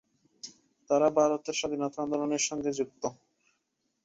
তারা ভারতের স্বাধীনতা আন্দোলনের সঙ্গে যুক্ত।